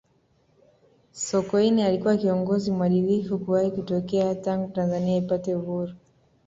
sokoine alikuwa kiongozi mwadilifu kuwahi kutokea tangu tanzania ipate uhuru